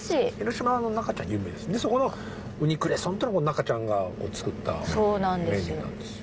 そこの「ウニクレソン」ってのが中ちゃんが作ったメニューなんですよ。